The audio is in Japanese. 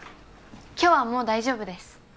今日はもう大丈夫です。